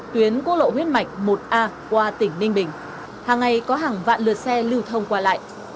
tuyến quốc lộ huyết mạch một a qua tỉnh ninh bình hàng ngày có hàng vạn lượt xe lưu thông qua lại